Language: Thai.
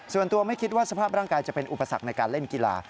ส่วนตัวไม่คิดว่าสภาพร่างกายจะเป็นอุปสรรคในการเล่นกีฬา